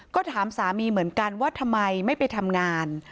ก็ถามสามีเหมือนกันว่าทำไมไม่ไปทำงาน